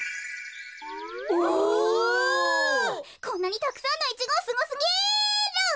こんなにたくさんのイチゴすごすぎる。